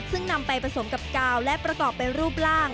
ซึ่งนำไปผสมกับกาวและประกอบไปรูปร่าง